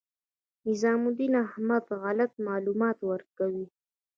نظام الدین احمد غلط معلومات ورکوي.